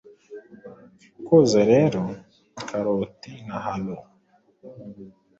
Kwoza rero, karoti na halo